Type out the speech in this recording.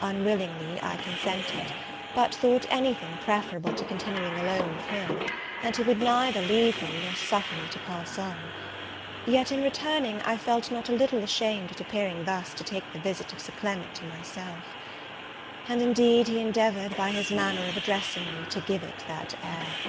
Unwillingly, I consented, but thought any thing preferable to continuing alone with him; and he would neither leave me, nor suffer me to pass on. Yet, in returning, I felt not a little ashamed at appearing thus to take the visit of Sir Clement to myself. And, indeed, he endeavoured, by his manner of addressing me, to give it that air.